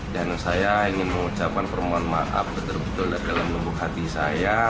dan saya ingin mengucapkan permohon maaf betul betul dalam nubuh hati saya